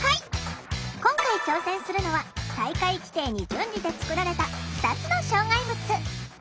今回挑戦するのは大会規定に準じて作られた２つの障害物。